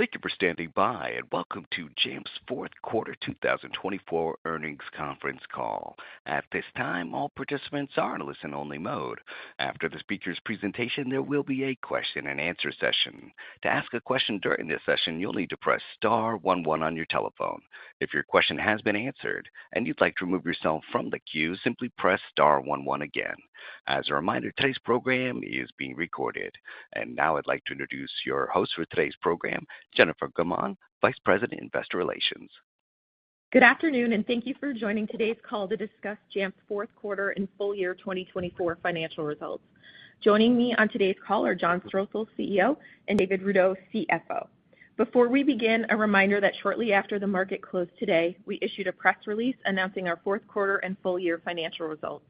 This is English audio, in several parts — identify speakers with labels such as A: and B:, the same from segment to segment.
A: Thank you for standing by, and welcome to Jamf's Fourth Quarter 2024 Earnings Conference Call. At this time, all participants are in a listen-only mode. After the speaker's presentation, there will be a question-and-answer session. To ask a question during this session, you'll need to press star one one on your telephone. If your question has been answered and you'd like to remove yourself from the queue, simply press star one one again. As a reminder, today's program is being recorded. Now I'd like to introduce your host for today's program, Jennifer Gaumond, Vice President, Investor Relations.
B: Good afternoon, and thank you for joining today's call to discuss Jamf's Fourth Quarter and full year 2024 financial results. Joining me on today's call are John Strosahl, CEO, and David Rudow, CFO. Before we begin, a reminder that shortly after the market closed today, we issued a press release announcing our fourth quarter and full year financial results.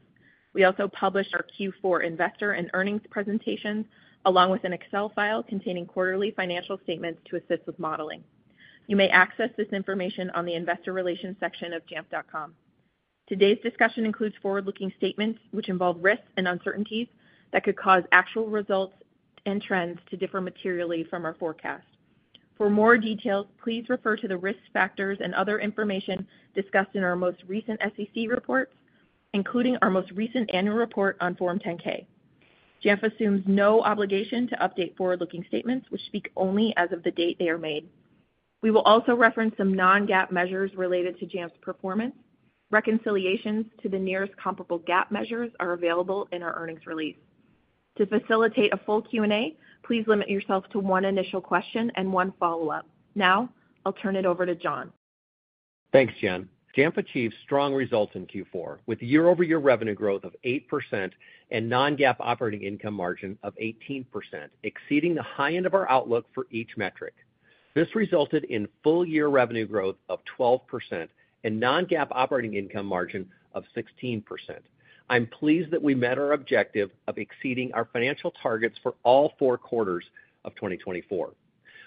B: We also published our Q4 investor and earnings presentations, along with an Excel file containing quarterly financial statements to assist with modeling. You may access this information on the investor relations section of jamf.com. Today's discussion includes forward-looking statements, which involve risks and uncertainties that could cause actual results and trends to differ materially from our forecast. For more details, please refer to the risk factors and other information discussed in our most recent SEC reports, including our most recent annual report on Form 10-K. Jamf assumes no obligation to update forward-looking statements, which speak only as of the date they are made. We will also reference some non-GAAP measures related to Jamf's performance. Reconciliations to the nearest comparable GAAP measures are available in our earnings release. To facilitate a full Q&A, please limit yourself to one initial question and one follow-up. Now, I'll turn it over to John.
C: Thanks, Jen. Jamf achieved strong results in Q4, with year-over-year revenue growth of 8% and non-GAAP operating income margin of 18%, exceeding the high end of our outlook for each metric. This resulted in full year revenue growth of 12% and non-GAAP operating income margin of 16%. I'm pleased that we met our objective of exceeding our financial targets for all four quarters of 2024.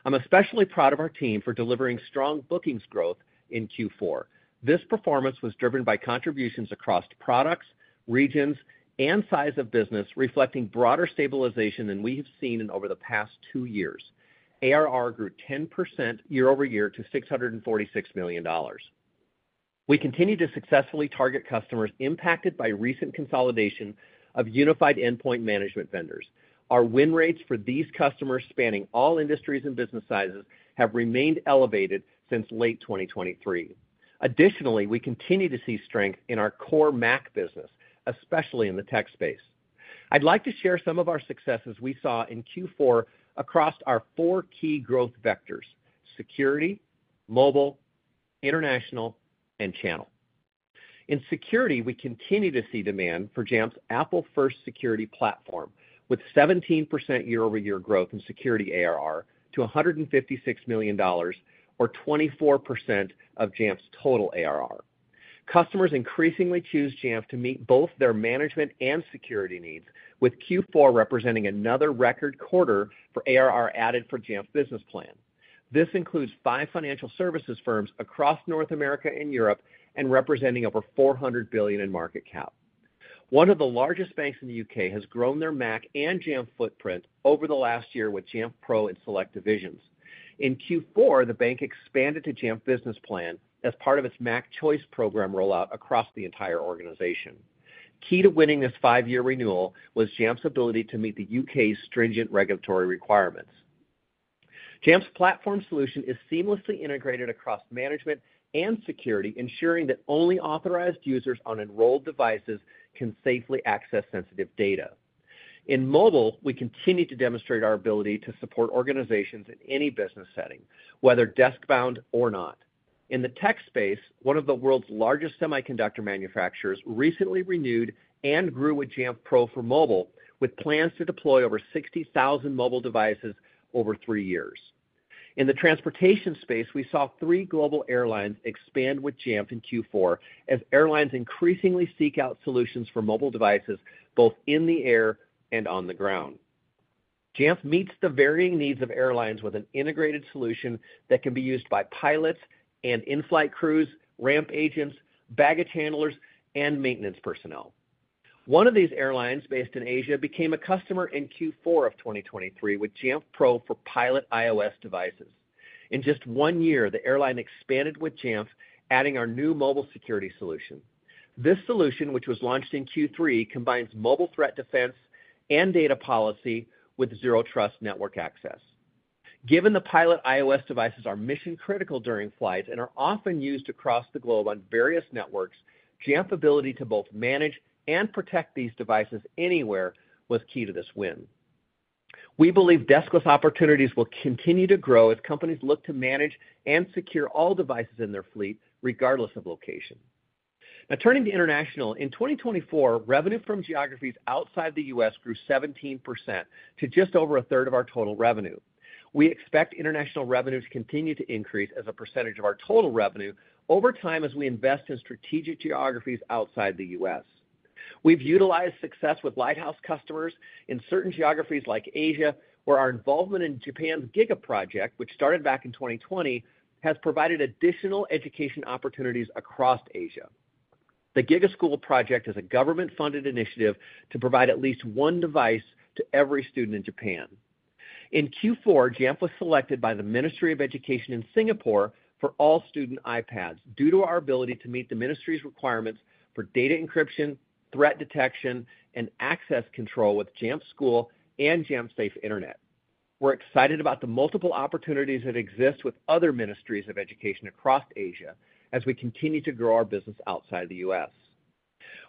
C: I'm especially proud of our team for delivering strong bookings growth in Q4. This performance was driven by contributions across products, regions, and size of business, reflecting broader stabilization than we have seen in over the past two years. ARR grew 10% year-over-year to $646 million. We continue to successfully target customers impacted by recent consolidation of unified endpoint management vendors. Our win rates for these customers, spanning all industries and business sizes, have remained elevated since late 2023. Additionally, we continue to see strength in our core Mac business, especially in the tech space. I'd like to share some of our successes we saw in Q4 across our four key growth vectors: security, mobile, international, and channel. In security, we continue to see demand for Jamf's Apple-first security platform, with 17% year-over-year growth in security ARR to $156 million, or 24% of Jamf's total ARR. Customers increasingly choose Jamf to meet both their management and security needs, with Q4 representing another record quarter for ARR added for Jamf's business plan. This includes five financial services firms across North America and Europe, representing over $400 billion in market cap. One of the largest banks in the U.K. has grown their Mac and Jamf footprint over the last year with Jamf Pro and Select divisions. In Q4, the bank expanded to Jamf Business Plan as part of its Mac Choice program rollout across the entire organization. Key to winning this five-year renewal was Jamf's ability to meet the U.K.'s stringent regulatory requirements. Jamf's platform solution is seamlessly integrated across management and security, ensuring that only authorized users on enrolled devices can safely access sensitive data. In mobile, we continue to demonstrate our ability to support organizations in any business setting, whether desk-bound or not. In the tech space, one of the world's largest semiconductor manufacturers recently renewed and grew with Jamf Pro for mobile, with plans to deploy over 60,000 mobile devices over three years. In the transportation space, we saw three global airlines expand with Jamf in Q4, as airlines increasingly seek out solutions for mobile devices both in the air and on the ground. Jamf meets the varying needs of airlines with an integrated solution that can be used by pilots and in-flight crews, ramp agents, baggage handlers, and maintenance personnel. One of these airlines based in Asia became a customer in Q4 of 2023 with Jamf Pro for pilot iOS devices. In just one year, the airline expanded with Jamf, adding our new mobile security solution. This solution, which was launched in Q3, combines mobile threat defense and data policy with zero-trust network access. Given the pilot iOS devices are mission-critical during flights and are often used across the globe on various networks, Jamf's ability to both manage and protect these devices anywhere was key to this win. We believe desk-less opportunities will continue to grow as companies look to manage and secure all devices in their fleet, regardless of location. Now, turning to international, in 2024, revenue from geographies outside the US grew 17% to just over a third of our total revenue. We expect international revenue to continue to increase as a percentage of our total revenue over time as we invest in strategic geographies outside the US. We've utilized success with Lighthouse customers in certain geographies like Asia, where our involvement in Japan's Giga Project, which started back in 2020, has provided additional education opportunities across Asia. The Giga School Project is a government-funded initiative to provide at least one device to every student in Japan. In Q4, Jamf was selected by the Ministry of Education in Singapore for all student iPads due to our ability to meet the ministry's requirements for data encryption, threat detection, and access control with Jamf School and Jamf Safe Internet. We're excited about the multiple opportunities that exist with other ministries of education across Asia as we continue to grow our business outside the US.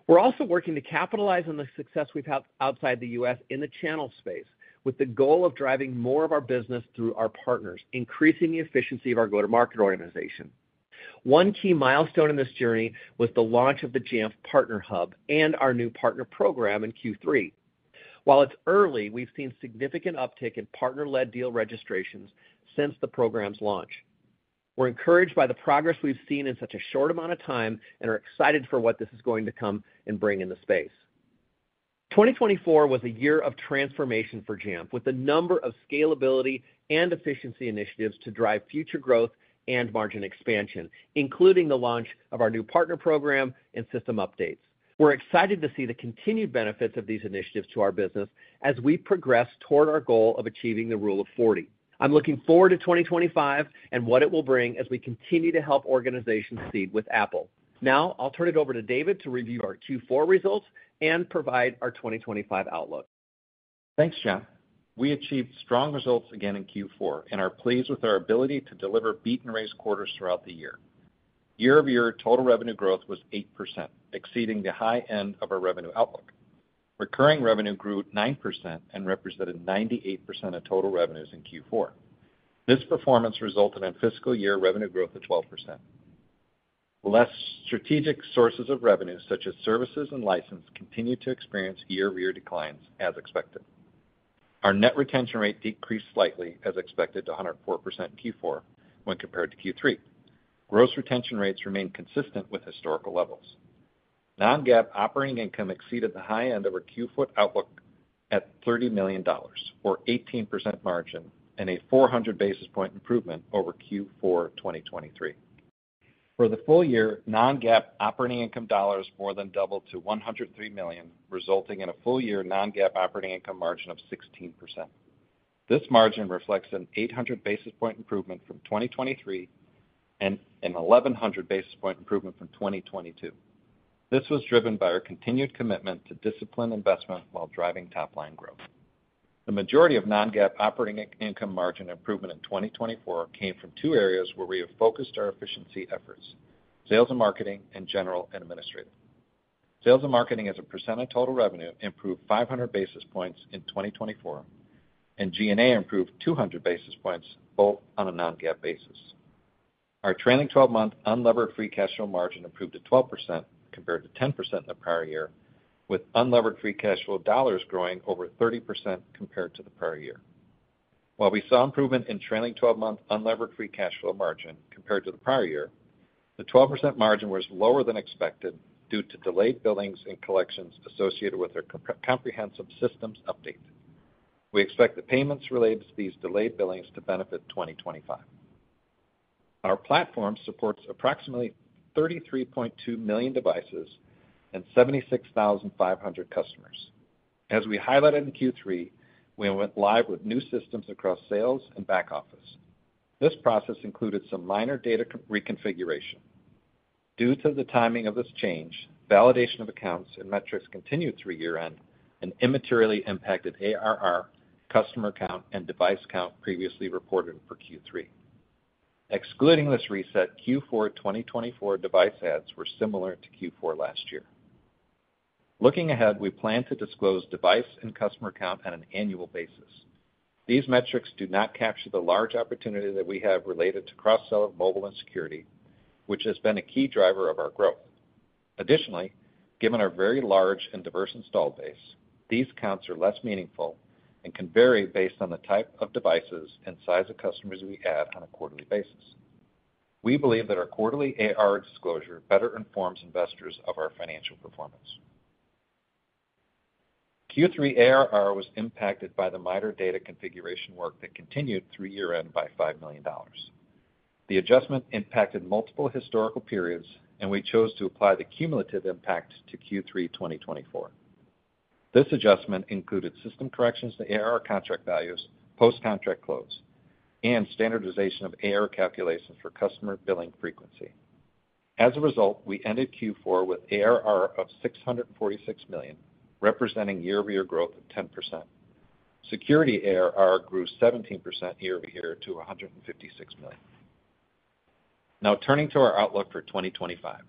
C: We're also working to capitalize on the success we've had outside the US in the channel space, with the goal of driving more of our business through our partners, increasing the efficiency of our go-to-market organization. One key milestone in this journey was the launch of the Jamf Partner Hub and our new partner program in Q3. While it's early, we've seen significant uptick in partner-led deal registrations since the program's launch. We're encouraged by the progress we've seen in such a short amount of time and are excited for what this is going to come and bring in the space. 2024 was a year of transformation for Jamf, with a number of scalability and efficiency initiatives to drive future growth and margin expansion, including the launch of our new partner program and system updates. We're excited to see the continued benefits of these initiatives to our business as we progress toward our goal of achieving the Rule of 40. I'm looking forward to 2025 and what it will bring as we continue to help organizations succeed with Apple. Now, I'll turn it over to David to review our Q4 results and provide our 2025 outlook.
D: Thanks, John. We achieved strong results again in Q4 and are pleased with our ability to deliver beat-and-raise quarters throughout the year. Year-over-year total revenue growth was 8%, exceeding the high end of our revenue outlook. Recurring revenue grew 9% and represented 98% of total revenues in Q4. This performance resulted in fiscal year revenue growth of 12%. Less strategic sources of revenue, such as services and license, continued to experience year-over-year declines, as expected. Our net retention rate decreased slightly, as expected, to 104% in Q4 when compared to Q3. Gross retention rates remained consistent with historical levels. Non-GAAP operating income exceeded the high end of our Q4 outlook at $30 million, or 18% margin, and a 400 basis point improvement over Q4 2023. For the full year, non-GAAP operating income dollars more than doubled to $103 million, resulting in a full year non-GAAP operating income margin of 16%. This margin reflects an 800 basis point improvement from 2023 and an 1,100 basis point improvement from 2022. This was driven by our continued commitment to disciplined investment while driving top-line growth. The majority of non-GAAP operating income margin improvement in 2024 came from two areas where we have focused our efficiency efforts: sales and marketing and general and administrative. Sales and marketing, as a percent of total revenue, improved 500 basis points in 2024, and G&A improved 200 basis points, both on a non-GAAP basis. Our trailing 12-month unlevered free cash flow margin improved to 12% compared to 10% in the prior year, with unlevered free cash flow dollars growing over 30% compared to the prior year. While we saw improvement in trailing 12-month unlevered free cash flow margin compared to the prior year, the 12% margin was lower than expected due to delayed billings and collections associated with our comprehensive systems update. We expect the payments related to these delayed billings to benefit 2025. Our platform supports approximately 33.2 million devices and 76,500 customers. As we highlighted in Q3, we went live with new systems across sales and back office. This process included some minor data reconfiguration. Due to the timing of this change, validation of accounts and metrics continued through year-end and immaterially impacted ARR, customer count, and device count previously reported for Q3. Excluding this reset, Q4 2024 device ads were similar to Q4 last year. Looking ahead, we plan to disclose device and customer count on an annual basis. These metrics do not capture the large opportunity that we have related to cross-seller mobile and security, which has been a key driver of our growth. Additionally, given our very large and diverse install base, these counts are less meaningful and can vary based on the type of devices and size of customers we add on a quarterly basis. We believe that our quarterly ARR disclosure better informs investors of our financial performance. Q3 ARR was impacted by the minor data configuration work that continued through year-end by $5 million. The adjustment impacted multiple historical periods, and we chose to apply the cumulative impact to Q3 2024. This adjustment included system corrections to ARR contract values, post-contract close, and standardization of ARR calculations for customer billing frequency. As a result, we ended Q4 with ARR of $646 million, representing year-over-year growth of 10%. Security ARR grew 17% year-over-year to $156 million. Now, turning to our outlook for 2025,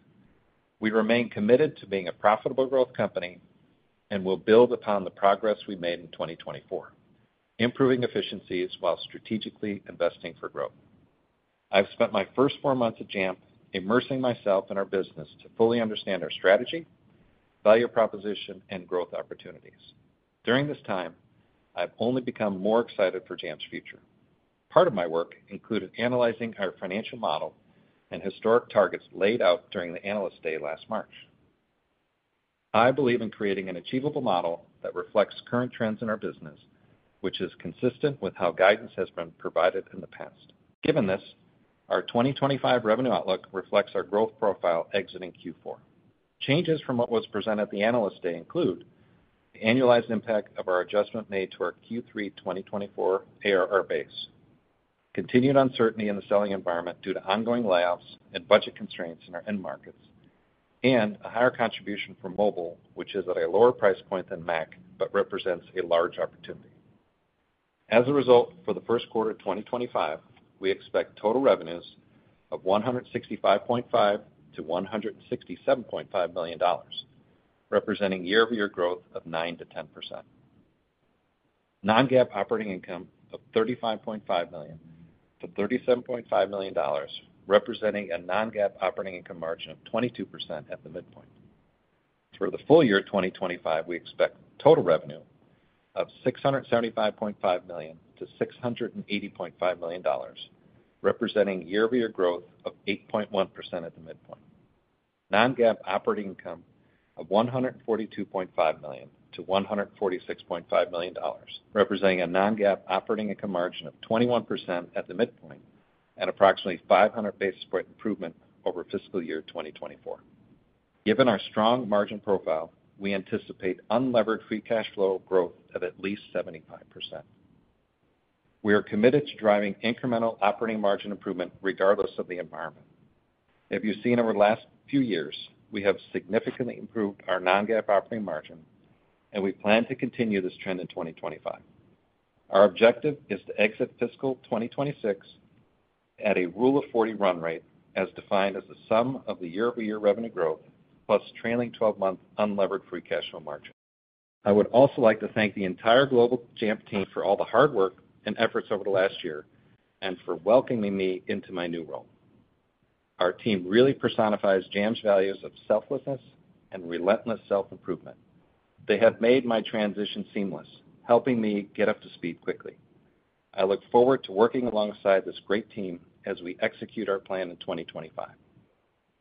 D: we remain committed to being a profitable growth company and will build upon the progress we made in 2024, improving efficiencies while strategically investing for growth. I've spent my first four months at Jamf immersing myself in our business to fully understand our strategy, value proposition, and growth opportunities. During this time, I've only become more excited for Jamf's future. Part of my work included analyzing our financial model and historic targets laid out during the analyst day last March. I believe in creating an achievable model that reflects current trends in our business, which is consistent with how guidance has been provided in the past. Given this, our 2025 revenue outlook reflects our growth profile exiting Q4. Changes from what was presented at the analyst day include the annualized impact of our adjustment made to our Q3 2024 ARR base, continued uncertainty in the selling environment due to ongoing layoffs and budget constraints in our end markets, and a higher contribution for mobile, which is at a lower price point than Mac but represents a large opportunity. As a result, for the first quarter of 2025, we expect total revenues of $165.5 million-$167.5 million, representing year-over-year growth of 9%-10%. Non-GAAP operating income of $35.5 million-$37.5 million, representing a non-GAAP operating income margin of 22% at the midpoint. For the full year of 2025, we expect total revenue of $675.5 million-$680.5 million, representing year-over-year growth of 8.1% at the midpoint. Non-GAAP operating income of $142.5 million-$146.5 million, representing a non-GAAP operating income margin of 21% at the midpoint and approximately 500 basis point improvement over fiscal year 2024. Given our strong margin profile, we anticipate unlevered free cash flow growth of at least 75%. We are committed to driving incremental operating margin improvement regardless of the environment. If you've seen over the last few years, we have significantly improved our non-GAAP operating margin, and we plan to continue this trend in 2025. Our objective is to exit fiscal 2026 at a Rule of 40 run rate as defined as the sum of the year-over-year revenue growth plus trailing 12-month unlevered free cash flow margin. I would also like to thank the entire global Jamf team for all the hard work and efforts over the last year and for welcoming me into my new role. Our team really personifies Jamf's values of selflessness and relentless self-improvement. They have made my transition seamless, helping me get up to speed quickly. I look forward to working alongside this great team as we execute our plan in 2025.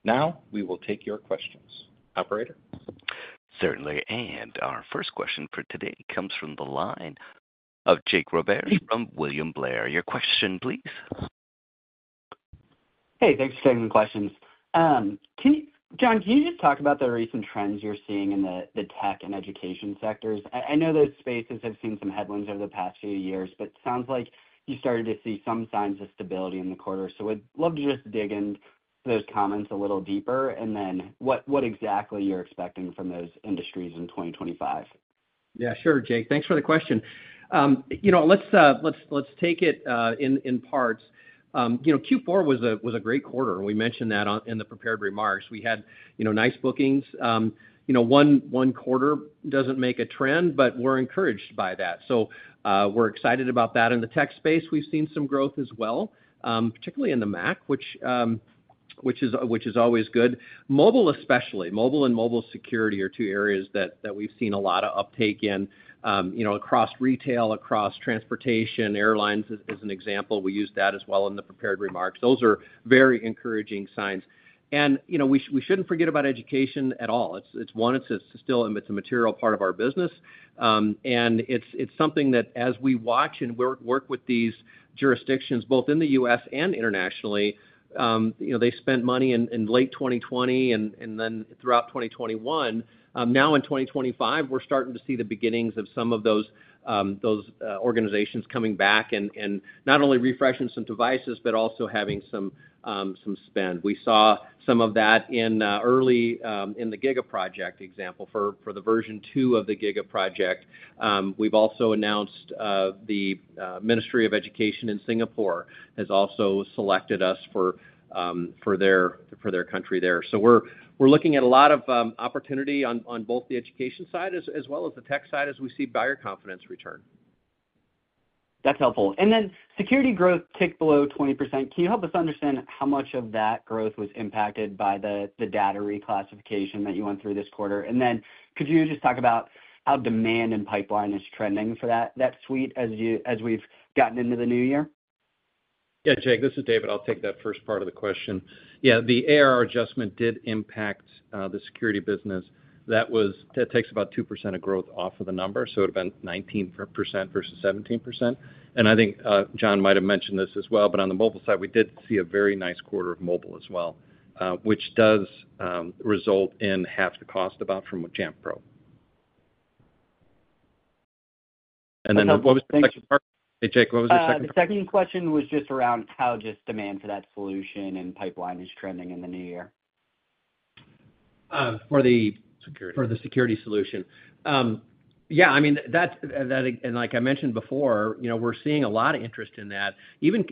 D: Now, we will take your questions. Operator?
A: Certainly. Our first question for today comes from the line of Jake Roberge from William Blair. Your question, please.
E: Hey, thanks for taking the questions. John, can you just talk about the recent trends you're seeing in the tech and education sectors? I know those spaces have seen some headwinds over the past few years, but it sounds like you started to see some signs of stability in the quarter. I would love to just dig into those comments a little deeper and then what exactly you're expecting from those industries in 2025.
C: Yeah, sure, Jake. Thanks for the question. You know, let's take it in parts. You know, Q4 was a great quarter. We mentioned that in the prepared remarks. We had nice bookings. One quarter doesn't make a trend, but we're encouraged by that. We are excited about that. In the tech space, we've seen some growth as well, particularly in the Mac, which is always good. Mobile, especially. Mobile and mobile security are two areas that we've seen a lot of uptake in across retail, across transportation. Airlines is an example. We used that as well in the prepared remarks. Those are very encouraging signs. We shouldn't forget about education at all. It's one, it's still a material part of our business. It is something that, as we watch and work with these jurisdictions, both in the U.S. and internationally, they spent money in late 2020 and then throughout 2021. Now in 2025, we're starting to see the beginnings of some of those organizations coming back and not only refreshing some devices, but also having some spend. We saw some of that in the Giga Project example for the version two of the Giga Project. We have also announced the Ministry of Education in Singapore has also selected us for their country there. We are looking at a lot of opportunity on both the education side as well as the tech side as we see buyer confidence return.
E: That's helpful. Security growth ticked below 20%. Can you help us understand how much of that growth was impacted by the data reclassification that you went through this quarter? Could you just talk about how demand and pipeline is trending for that suite as we've gotten into the new year?
D: Yeah, Jake, this is David. I'll take that first part of the question. Yeah, the ARR adjustment did impact the security business. That takes about 2% of growth off of the number. It would have been 19% versus 17%. I think John might have mentioned this as well, but on the mobile side, we did see a very nice quarter of mobile as well, which does result in half the cost about from Jamf Pro. What was the second part? Hey, Jake, what was the second part?
E: The second question was just around how just demand for that solution and pipeline is trending in the new year.
C: For the security solution. Yeah, I mean, and like I mentioned before, we're seeing a lot of interest in that. Even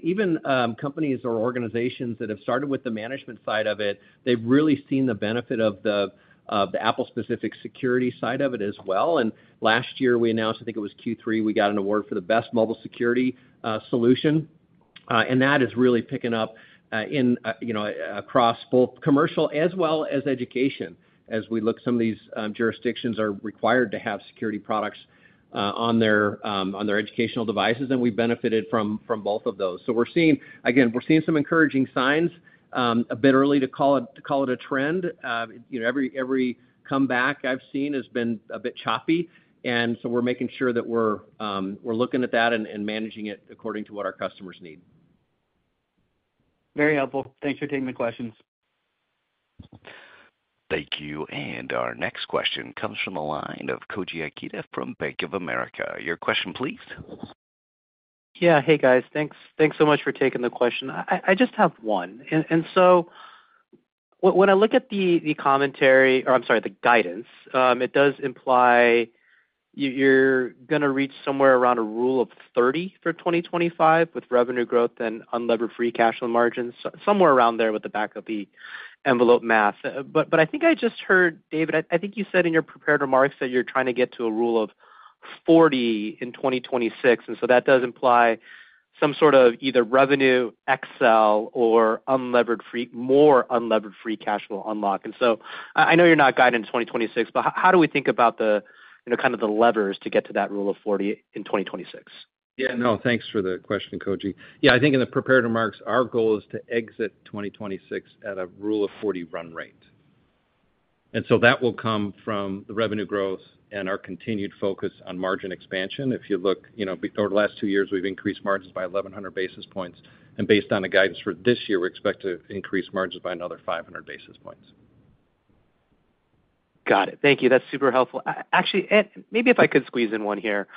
C: companies or organizations that have started with the management side of it, they've really seen the benefit of the Apple-specific security side of it as well. Last year, we announced, I think it was Q3, we got an award for the best mobile security solution. That is really picking up across both commercial as well as education, as we look, some of these jurisdictions are required to have security products on their educational devices, and we've benefited from both of those. We're seeing, again, we're seeing some encouraging signs, a bit early to call it a trend. Every comeback I've seen has been a bit choppy. We're making sure that we're looking at that and managing it according to what our customers need.
E: Very helpful. Thanks for taking the questions.
A: Thank you. Our next question comes from the line of Koji Ikeda from Bank of America. Your question, please.
F: Yeah, hey, guys. Thanks so much for taking the question. I just have one. When I look at the commentary, or I'm sorry, the guidance, it does imply you're going to reach somewhere around a rule of 30 for 2025 with revenue growth and unlevered free cash flow margins, somewhere around there with the back of the envelope math. I think I just heard, David, I think you said in your prepared remarks that you're trying to get to a rule of 40 in 2026. That does imply some sort of either revenue Excel or more unlevered free cash flow unlock. I know you're not guiding in 2026, but how do we think about kind of the levers to get to that rule of 40 in 2026?
C: Yeah, no, thanks for the question, Koji. Yeah, I think in the prepared remarks, our goal is to exit 2026 at a rule of 40 run rate. That will come from the revenue growth and our continued focus on margin expansion. If you look, over the last two years, we've increased margins by 1,100 basis points. Based on the guidance for this year, we expect to increase margins by another 500 basis points.
F: Got it. Thank you. That's super helpful. Actually, maybe if I could squeeze in one here.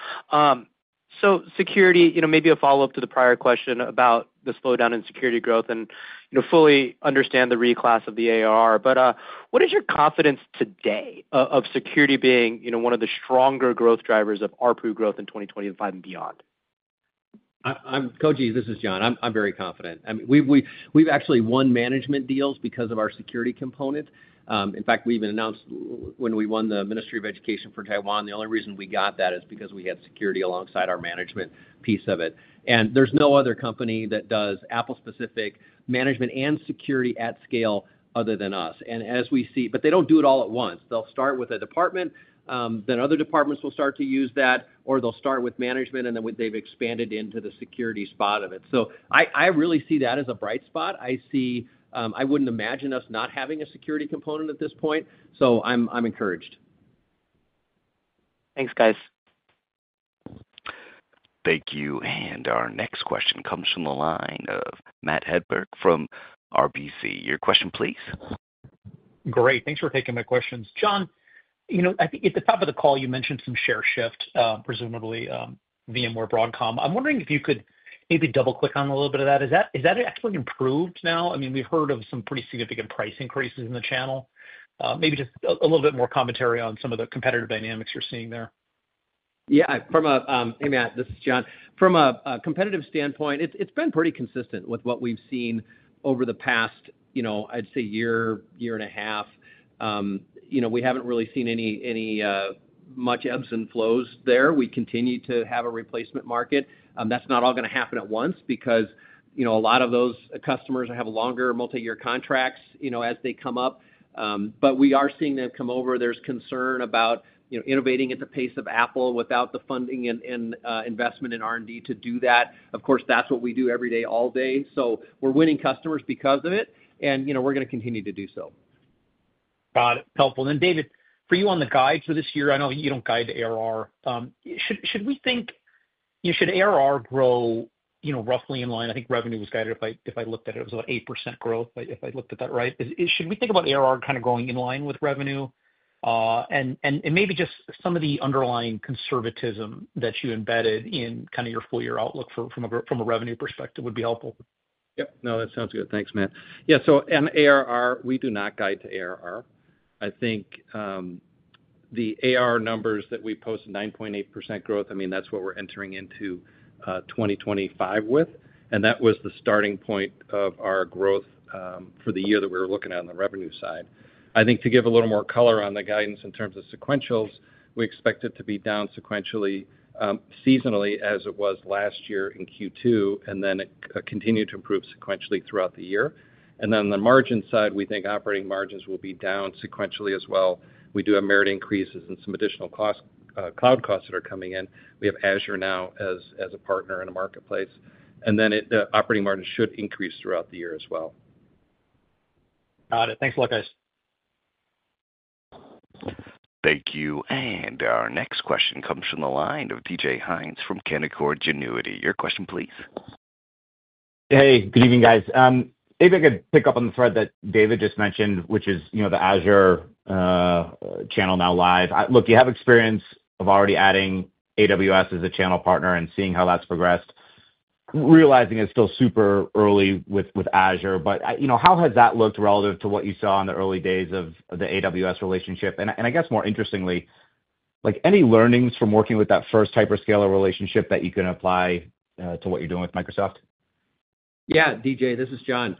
F: Security, maybe a follow-up to the prior question about the slowdown in security growth and fully understand the reclass of the ARR. What is your confidence today of security being one of the stronger growth drivers of ARPU growth in 2025 and beyond?
C: Koji, this is John. I'm very confident. We've actually won management deals because of our security component. In fact, we even announced when we won the Ministry of Education for Taiwan, the only reason we got that is because we had security alongside our management piece of it. There is no other company that does Apple-specific management and security at scale other than us. As we see, they do not do it all at once. They will start with a department, then other departments will start to use that, or they will start with management, and then they have expanded into the security spot of it. I really see that as a bright spot. I would not imagine us not having a security component at this point. I am encouraged.
F: Thanks, guys.
A: Thank you. Our next question comes from the line of Matt Hedberg from RBC. Your question, please.
G: Great. Thanks for taking my questions. John, I think at the top of the call, you mentioned some share shift, presumably VMware Broadcom. I'm wondering if you could maybe double-click on a little bit of that. Is that actually improved now? I mean, we've heard of some pretty significant price increases in the channel. Maybe just a little bit more commentary on some of the competitive dynamics you're seeing there.
C: Yeah, from a, hey, Matt, this is John. From a competitive standpoint, it's been pretty consistent with what we've seen over the past, I'd say, year, year and a half. We haven't really seen any much ebbs and flows there. We continue to have a replacement market. That's not all going to happen at once because a lot of those customers have longer multi-year contracts as they come up. We are seeing them come over. There's concern about innovating at the pace of Apple without the funding and investment in R&D to do that. Of course, that's what we do every day, all day. We are winning customers because of it, and we are going to continue to do so.
G: Got it. Helpful. David, for you on the guide for this year, I know you do not guide the ARR. Should we think, should ARR grow roughly in line? I think revenue was guided. If I looked at it, it was about 8% growth, if I looked at that right. Should we think about ARR kind of going in line with revenue? Maybe just some of the underlying conservatism that you embedded in kind of your full-year outlook from a revenue perspective would be helpful.
D: Yep. No, that sounds good. Thanks, Matt. Yeah, so on ARR, we do not guide to ARR. I think the ARR numbers that we post, 9.8% growth, I mean, that's what we're entering into 2025 with. And that was the starting point of our growth for the year that we were looking at on the revenue side. I think to give a little more color on the guidance in terms of sequentials, we expect it to be down sequentially seasonally as it was last year in Q2, and then continue to improve sequentially throughout the year. On the margin side, we think operating margins will be down sequentially as well. We do have merit increases and some additional cloud costs that are coming in. We have Azure now as a partner in a marketplace. The operating margin should increase throughout the year as well.
G: Got it. Thanks a lot, guys.
A: Thank you. Our next question comes from the line of DJ Hynes from Canaccord Genuity. Your question, please.
H: Hey, good evening, guys. Maybe I could pick up on the thread that David just mentioned, which is the Azure channel now live. Look, you have experience of already adding AWS as a channel partner and seeing how that's progressed. Realizing it's still super early with Azure, but how has that looked relative to what you saw in the early days of the AWS relationship? I guess more interestingly, any learnings from working with that first hyperscaler relationship that you can apply to what you're doing with Microsoft?
C: Yeah, DJ, this is John.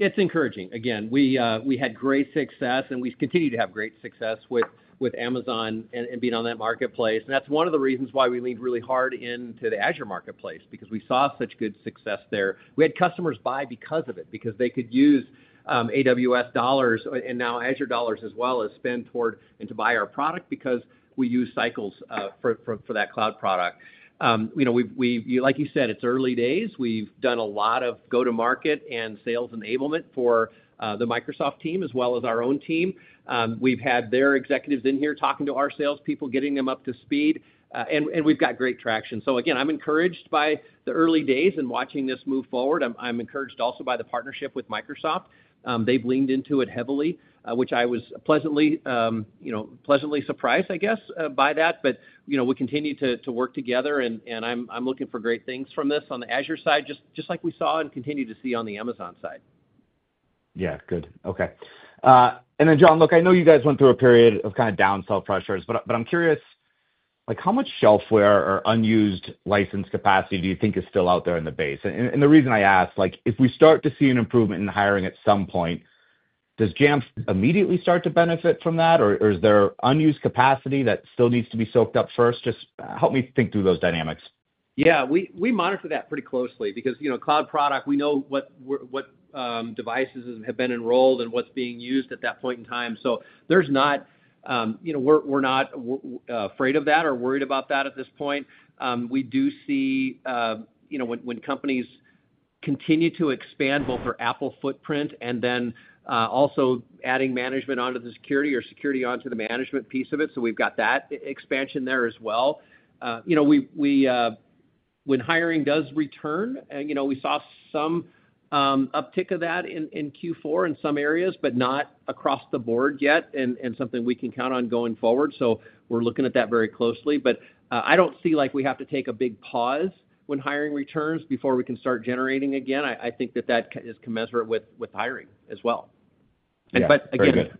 C: It's encouraging. Again, we had great success, and we continue to have great success with Amazon and being on that marketplace. That is one of the reasons why we leaned really hard into the Azure marketplace because we saw such good success there. We had customers buy because of it, because they could use AWS dollars and now Azure dollars as well as spend toward and to buy our product because we use cycles for that cloud product. Like you said, it's early days. We have done a lot of go-to-market and sales enablement for the Microsoft team as well as our own team. We have had their executives in here talking to our salespeople, getting them up to speed. We have got great traction. I am encouraged by the early days and watching this move forward. I am encouraged also by the partnership with Microsoft. They've leaned into it heavily, which I was pleasantly surprised, I guess, by that. We continue to work together, and I'm looking for great things from this on the Azure side, just like we saw and continue to see on the Amazon side.
H: Yeah, good. Okay. John, look, I know you guys went through a period of kind of down self-pressures, but I'm curious, how much shelfware or unused license capacity do you think is still out there in the base? The reason I ask, if we start to see an improvement in hiring at some point, does Jamf immediately start to benefit from that, or is there unused capacity that still needs to be soaked up first? Just help me think through those dynamics.
C: Yeah, we monitor that pretty closely because cloud product, we know what devices have been enrolled and what's being used at that point in time. We are not afraid of that or worried about that at this point. We do see when companies continue to expand both their Apple footprint and then also adding management onto the security or security onto the management piece of it. We have that expansion there as well. When hiring does return, we saw some uptick of that in Q4 in some areas, but not across the board yet and something we can count on going forward. We are looking at that very closely. I do not see like we have to take a big pause when hiring returns before we can start generating again. I think that is commensurate with hiring as well. I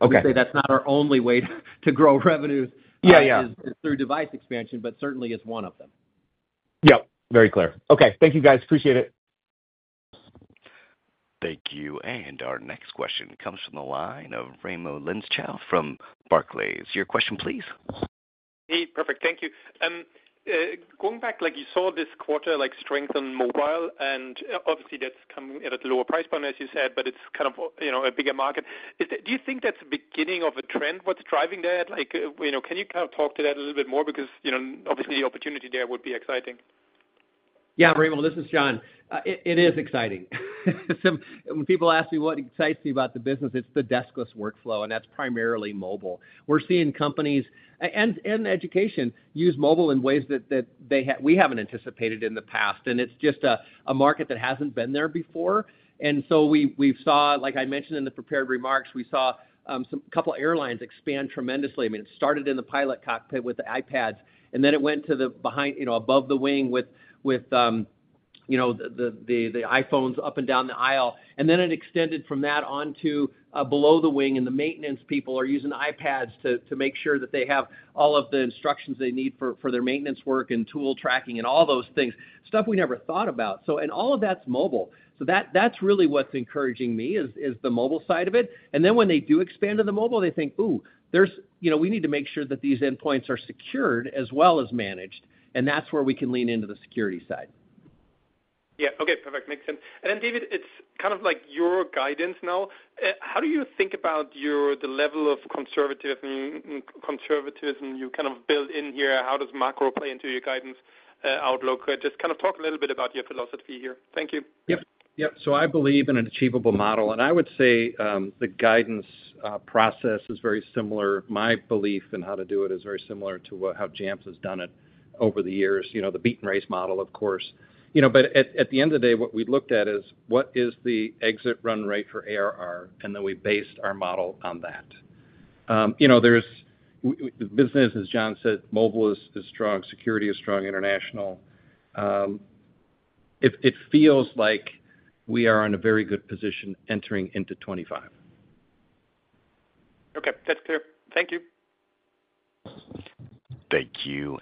C: would say that's not our only way to grow revenues.
H: Yeah, yeah.
C: Is through device expansion, but certainly is one of them.
H: Yep. Very clear.
C: Okay. Thank you, guys. Appreciate it.
A: Thank you. Our next question comes from the line of Raymond Lenzchao from Barclays. Your question, please.
I: Hey, perfect. Thank you. Going back, like you saw this quarter strengthen mobile, and obviously that's coming at a lower price point, as you said, but it's kind of a bigger market. Do you think that's the beginning of a trend? What's driving that? Can you kind of talk to that a little bit more? Because obviously the opportunity there would be exciting.
C: Yeah, Raymond, this is John. It is exciting. When people ask me what excites me about the business, it's the deskless workflow, and that's primarily mobile. We're seeing companies and education use mobile in ways that we haven't anticipated in the past. It's just a market that hasn't been there before. Like I mentioned in the prepared remarks, we saw a couple of airlines expand tremendously. I mean, it started in the pilot cockpit with the iPads, and it went to the behind, above the wing with the iPhones up and down the aisle. It extended from that onto below the wing, and the maintenance people are using iPads to make sure that they have all of the instructions they need for their maintenance work and tool tracking and all those things, stuff we never thought about. All of that's mobile. That's really what's encouraging me is the mobile side of it. And then when they do expand to the mobile, they think, "Ooh, we need to make sure that these endpoints are secured as well as managed." That's where we can lean into the security side.
I: Yeah. Okay. Perfect. Makes sense. David, it's kind of like your guidance now. How do you think about the level of conservatism you kind of build in here? How does macro play into your guidance outlook? Just kind of talk a little bit about your philosophy here. Thank you.
D: Yep. Yep. I believe in an achievable model. I would say the guidance process is very similar. My belief in how to do it is very similar to how Jamf has done it over the years, the beat-and-raise model, of course. At the end of the day, what we looked at is what is the exit run rate for ARR, and then we based our model on that. The business, as John said, mobile is strong, security is strong, international. It feels like we are in a very good position entering into 2025.
I: Okay. That's clear. Thank you.
A: Thank you.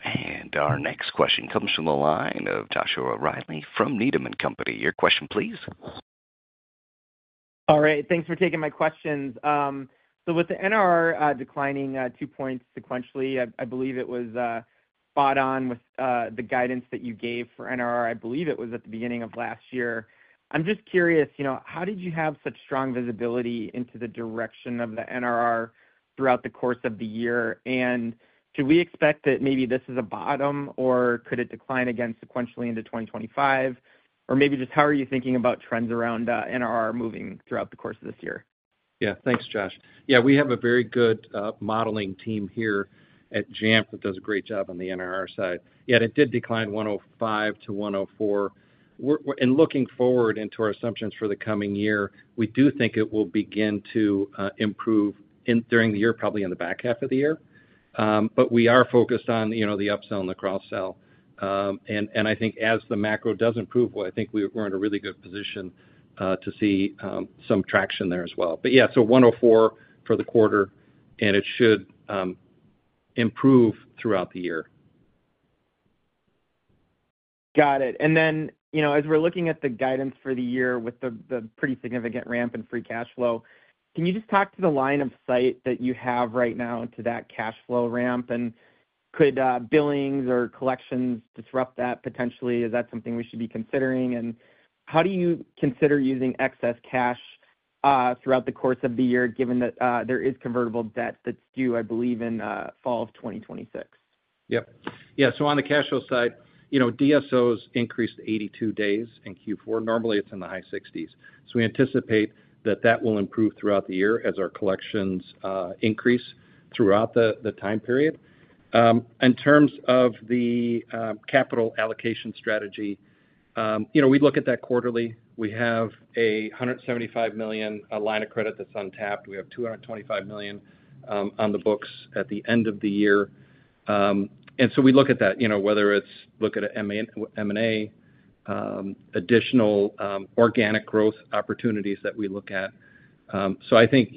A: Our next question comes from the line of Joshua Reilly from Needham & Company. Your question, please.
J: All right. Thanks for taking my questions. With the NRR declining two points sequentially, I believe it was spot on with the guidance that you gave for NRR. I believe it was at the beginning of last year. I'm just curious, how did you have such strong visibility into the direction of the NRR throughout the course of the year? Should we expect that maybe this is a bottom, or could it decline again sequentially into 2025? Maybe just how are you thinking about trends around NRR moving throughout the course of this year?
D: Yeah. Thanks, Josh. Yeah, we have a very good modeling team here at Jamf that does a great job on the NRR side. Yeah, it did decline 105 to 104. In looking forward into our assumptions for the coming year, we do think it will begin to improve during the year, probably in the back half of the year. We are focused on the upsell and the cross-sell. I think as the macro does improve, I think we're in a really good position to see some traction there as well. Yeah, so 104 for the quarter, and it should improve throughout the year.
J: Got it. As we're looking at the guidance for the year with the pretty significant ramp in free cash flow, can you just talk to the line of sight that you have right now to that cash flow ramp? Could billings or collections disrupt that potentially? Is that something we should be considering? How do you consider using excess cash throughout the course of the year, given that there is convertible debt that's due, I believe, in fall of 2026?
D: Yep. Yeah. On the cash flow side, DSOs increased 82 days in Q4. Normally, it's in the high 60s. We anticipate that that will improve throughout the year as our collections increase throughout the time period. In terms of the capital allocation strategy, we look at that quarterly. We have a $175 million line of credit that's untapped. We have $225 million on the books at the end of the year. We look at that, whether it's look at M&A, additional organic growth opportunities that we look at. I think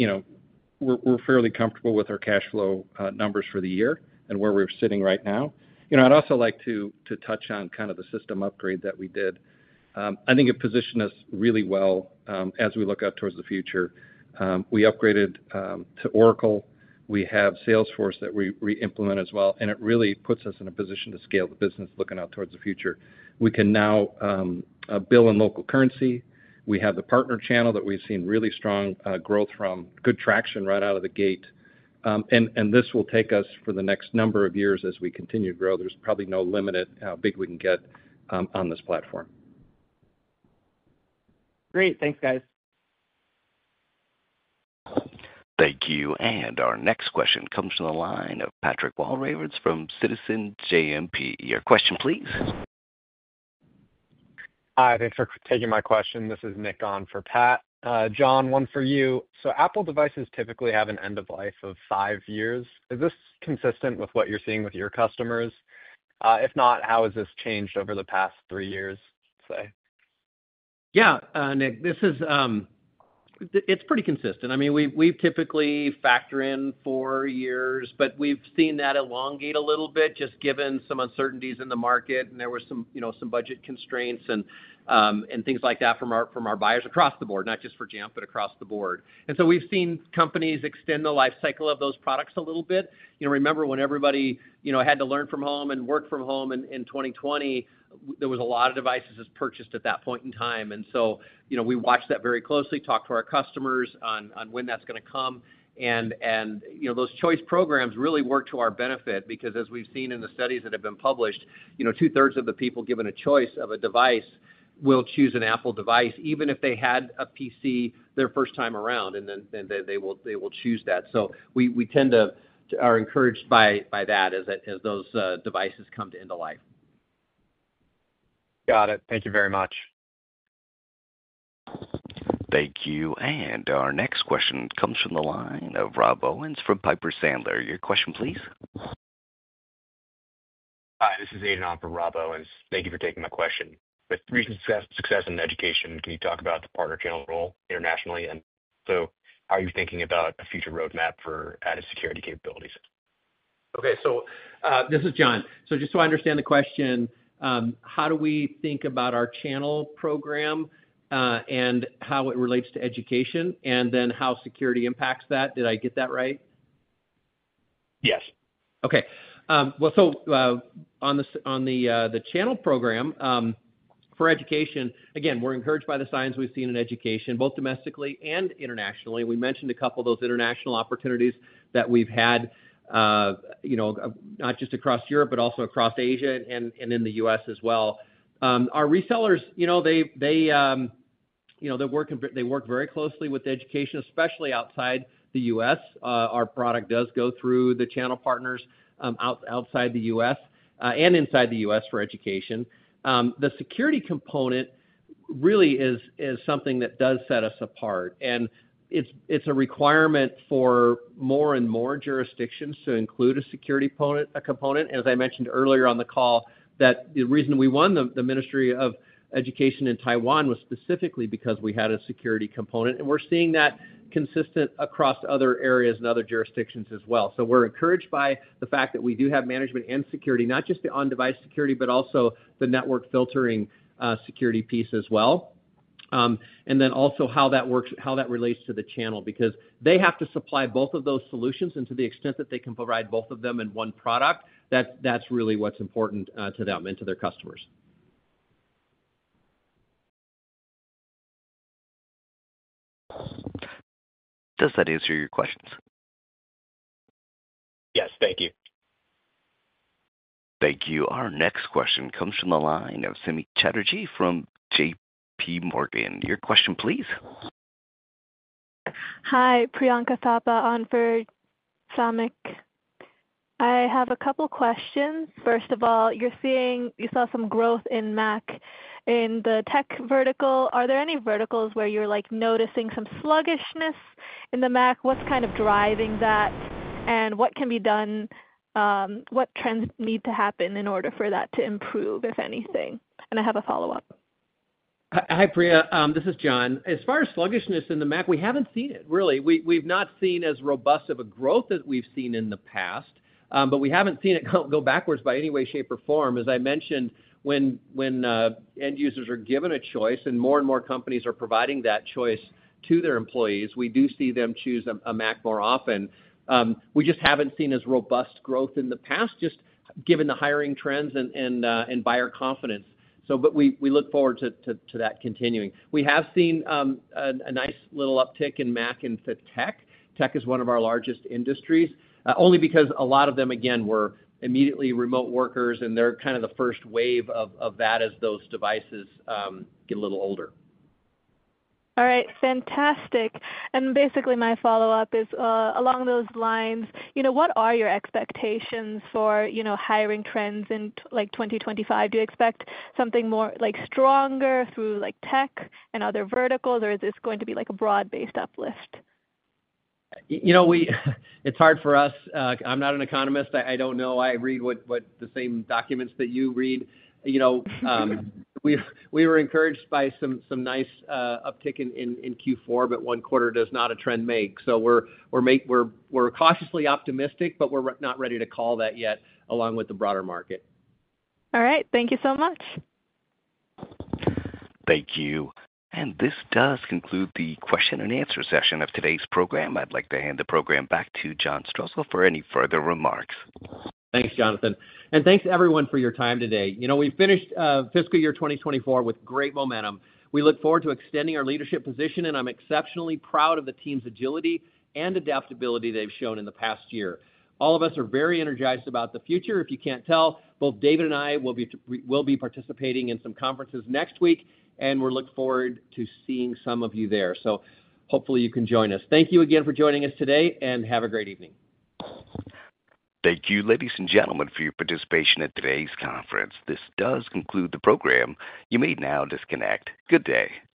D: we're fairly comfortable with our cash flow numbers for the year and where we're sitting right now. I'd also like to touch on kind of the system upgrade that we did. I think it positioned us really well as we look out towards the future. We upgraded to Oracle. We have Salesforce that we re-implemented as well. It really puts us in a position to scale the business looking out towards the future. We can now bill in local currency. We have the partner channel that we've seen really strong growth from, good traction right out of the gate. This will take us for the next number of years as we continue to grow. There's probably no limit at how big we can get on this platform.
J: Great. Thanks, guys.
A: Thank you. Our next question comes from the line of Patrick Walravens from Citizen JMP. Your question, please.
K: Hi. Thanks for taking my question. This is Nick on for Pat. John, one for you. Apple devices typically have an end of life of five years. Is this consistent with what you're seeing with your customers? If not, how has this changed over the past three years, say?
C: Yeah, Nick, it's pretty consistent. I mean, we typically factor in four years, but we've seen that elongate a little bit just given some uncertainties in the market. There were some budget constraints and things like that from our buyers across the board, not just for Jamf, but across the board. We've seen companies extend the lifecycle of those products a little bit. Remember when everybody had to learn from home and work from home in 2020, there was a lot of devices purchased at that point in time. We watch that very closely, talk to our customers on when that's going to come. Those choice programs really work to our benefit because as we've seen in the studies that have been published, two-thirds of the people given a choice of a device will choose an Apple device, even if they had a PC their first time around, and then they will choose that. We tend to are encouraged by that as those devices come to end of life.
K: Got it. Thank you very much.
A: Thank you. Our next question comes from the line of Rob Owens from Piper Sandler. Your question, please.
L: Hi. This is Aidan on for Rob Owens. Thank you for taking my question. With recent success in education, can you talk about the partner channel role internationally and also how you're thinking about a future roadmap for added security capabilities?
C: Okay. This is John. Just so I understand the question, how do we think about our channel program and how it relates to education and then how security impacts that? Did I get that right?
L: Yes.
C: Okay. On the channel program for education, again, we're encouraged by the signs we've seen in education, both domestically and internationally. We mentioned a couple of those international opportunities that we've had not just across Europe, but also across Asia and in the US as well. Our resellers, they work very closely with education, especially outside the US. Our product does go through the channel partners outside the US and inside the US for education. The security component really is something that does set us apart. It's a requirement for more and more jurisdictions to include a security component. As I mentioned earlier on the call, the reason we won the Ministry of Education in Taiwan was specifically because we had a security component. We're seeing that consistent across other areas and other jurisdictions as well. We're encouraged by the fact that we do have management and security, not just the on-device security, but also the network filtering security piece as well. Also, how that relates to the channel because they have to supply both of those solutions. To the extent that they can provide both of them in one product, that's really what's important to them and to their customers.
A: Does that answer your questions?
L: Yes. Thank you.
A: Thank you. Our next question comes from the line of Samik Chatterjee from JPMorgan. Your question, please.
M: Hi. Priyanka Thapa on for, Samik. I have a couple of questions. First of all, you saw some growth in Mac in the tech vertical. Are there any verticals where you're noticing some sluggishness in the Mac? What's kind of driving that? What can be done? What trends need to happen in order for that to improve, if anything? I have a follow-up.
C: Hi, Priya. This is John. As far as sluggishness in the Mac, we have not seen it, really. We have not seen as robust of a growth as we have seen in the past, but we have not seen it go backwards by any way, shape, or form. As I mentioned, when end users are given a choice and more and more companies are providing that choice to their employees, we do see them choose a Mac more often. We just have not seen as robust growth in the past, just given the hiring trends and buyer confidence. We look forward to that continuing. We have seen a nice little uptick in Mac and tech. Tech is one of our largest industries, only because a lot of them, again, were immediately remote workers, and they are kind of the first wave of that as those devices get a little older.
M: All right. Fantastic. Basically, my follow-up is along those lines, what are your expectations for hiring trends in 2025? Do you expect something more stronger through tech and other verticals, or is this going to be a broad-based uplift?
C: It's hard for us. I'm not an economist. I don't know. I read the same documents that you read. We were encouraged by some nice uptick in Q4, but one quarter does not a trend make. We are cautiously optimistic, but we're not ready to call that yet along with the broader market.
M: All right. Thank you so much.
A: Thank you. This does conclude the question and answer session of today's program. I'd like to hand the program back to John Strosahl for any further remarks.
C: Thanks, Jonathan. Thanks to everyone for your time today. We finished fiscal year 2024 with great momentum. We look forward to extending our leadership position, and I am exceptionally proud of the team's agility and adaptability they have shown in the past year. All of us are very energized about the future. If you cannot tell, both David and I will be participating in some conferences next week, and we look forward to seeing some of you there. Hopefully, you can join us. Thank you again for joining us today, and have a great evening.
A: Thank you, ladies and gentlemen, for your participation at today's conference. This does conclude the program. You may now disconnect. Good day.